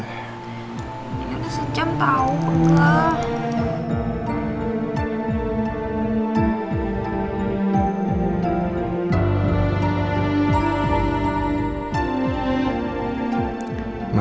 ini tuh sejam tau penggelah